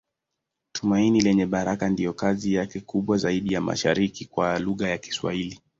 Tumaini Lenye Baraka ndiyo kazi yake kubwa zaidi ya mashairi kwa lugha ya Kiswahili.